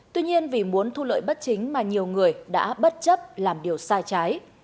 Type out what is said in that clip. tuy nhiên vì muốn thu lợi bất chính mà nhiều người đã bất chấp làm điều sai trái